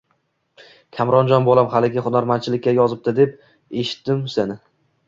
Komronjon bolam haligi hunarmanchilikka yozibdi deb eshitudim sani